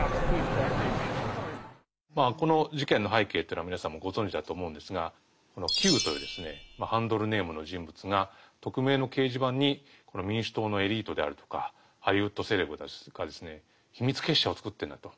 まあこの事件の背景というのは皆さんもうご存じだと思うんですが「Ｑ」というハンドルネームの人物が匿名の掲示板に民主党のエリートであるとかハリウッドセレブたちが秘密結社を作ってるんだと。